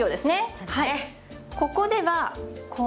そうですね。